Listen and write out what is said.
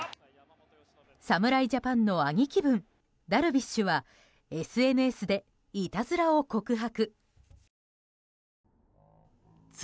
侍ジャパンの兄貴分ダルビッシュはＳＮＳでいたずらを告白。